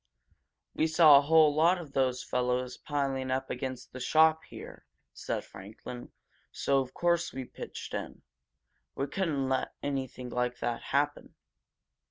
"We saw a whole lot of those fellows piling up against the shop here," said Franklin. "So of course we pitched in. We couldn't let anything like that happen."